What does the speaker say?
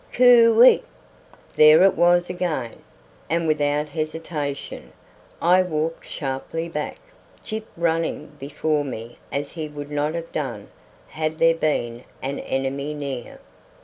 "Cooey!" There it was again, and without hesitation I walked sharply back, Gyp running before me as he would not have done had there been an enemy near.